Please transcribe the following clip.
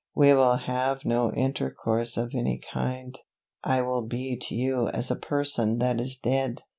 We will have no intercourse of any kind. I will be to you as a person that is dead."